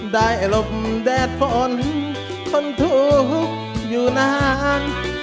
ได้รบแดดฝนคนทุกข์อยู่นาน